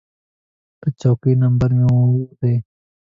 د چوکۍ نمبر مې اووه ډي و.